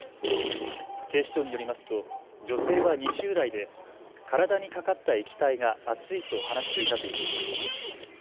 警視庁によりますと女性は２０代で体にかかった液体が熱いと話していたということです。